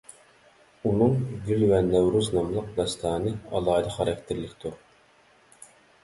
ئۇنىڭ «گۈل ۋە نەۋرۇز» ناملىق داستانى ئالاھىدە خاراكتېرلىكتۇر.